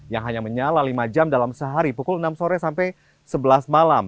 yang hanya menyala lima jam dalam sehari pukul enam sore sampai sebelas malam